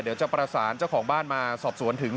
เดี๋ยวจะประสานเจ้าของบ้านมาสอบสวนถึง